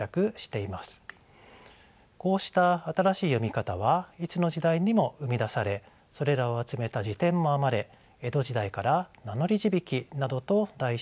こうした新しい読み方はいつの時代にも生み出されそれらを集めた辞典も編まれ江戸時代から「名乗字引」などと題して出版されています。